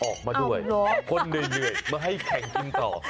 ออกมาด้วยคนเหนื่อยมาให้แข่งกินต่อ